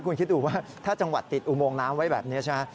คุณคิดดูว่าถ้าจังหวัดติดอุโมงน้ำไว้แบบนี้ใช่ไหม